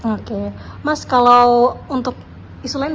oke mas kalau untuk isolen boleh